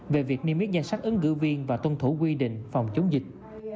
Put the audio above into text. về việc niêm yết danh sách ứng cử viên và tuân thủ quy định phòng chống dịch